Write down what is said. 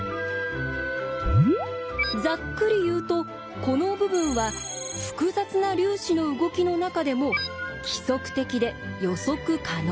ざっくり言うとこの部分は複雑な粒子の動きの中でも規則的で予測可能な部分。